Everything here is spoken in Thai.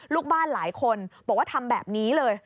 ลูกบ้านหลายคนบอกว่าทำแบบนี้เลย